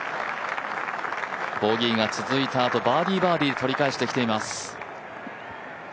ボギーが続いたあとバーディー、バーディー、取り返してきています。